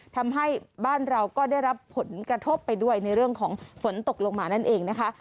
ทำให้บ้านเราก็ได้รับผลกระทบไปด้วยในเรื่องของฝนตกลงมานั่นเองนะคะ